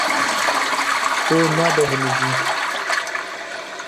Tu nabêhnijî.